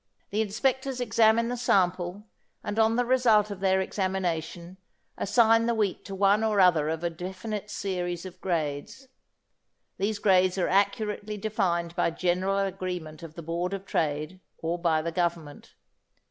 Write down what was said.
The inspectors examine the sample, and on the result of their examination, assign the wheat to one or other of a definite series of grades. These grades are accurately defined by general agreement of the Board of Trade or by the Government.